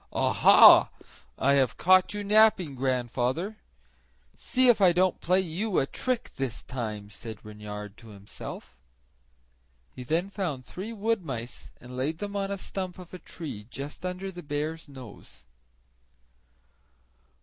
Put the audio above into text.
"Aha! have I caught you napping, grandfather? See if I don't play you a trick this time!" said Reynard to himself. He then found three wood mice and laid them on a stump of a tree just under the bear's nose.